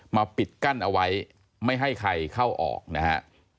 ปิดกั้นเอาไว้ไม่ให้ใครเข้าออกนะฮะ